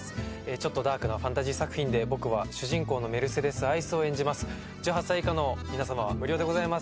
ちょっとダークなファンタジー作品で僕は主人公のメルセデス・アイスを演じます１８歳以下の皆様は無料でございます